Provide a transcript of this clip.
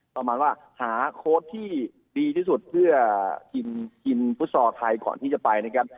ประมาณว่าหาโค้ดที่ดีที่สุดเพื่อกินฟุตซอลไทยก่อนที่จะไปนะครับ